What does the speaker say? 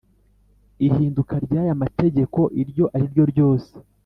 Ihinduka ry aya mategeko iryo ari ryo ryose